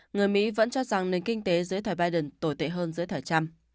người mỹ vẫn cho rằng nền kinh tế dưới thời biden tồi tệ hơn dưới thời trăm